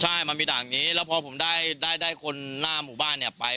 ใช่มันมีด่างนี้แล้วพอผมได้คนหน้าหมู่บ้านเนี่ยไป